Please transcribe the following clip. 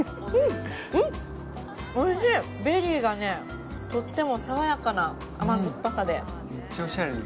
ベリーがとっても爽やかな甘酸っぱさで。